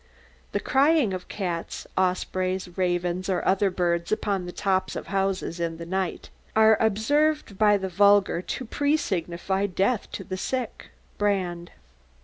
"The crying of cats, ospreys, ravens, or other birds upon the tops of houses in the night time are observed by the vulgar to presignify death to the sick." Brand.